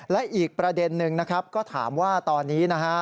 และอีกประเด็นนึงก็ถามว่าตอนนี้